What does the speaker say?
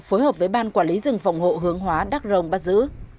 phối hợp với ban quản lý rừng phòng hộ hướng hóa đắk rông bắt giữ